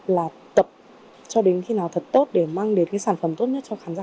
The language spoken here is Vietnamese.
là tập cho đến khi nào thật tốt để mang đến cái sản phẩm tốt nhất cho khán giả